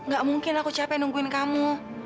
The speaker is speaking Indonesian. gak mungkin aku capek nungguin kamu